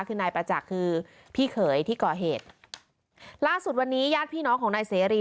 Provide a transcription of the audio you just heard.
คือนายประจักษ์คือพี่เขยที่ก่อเหตุล่าสุดวันนี้ญาติพี่น้องของนายเสรี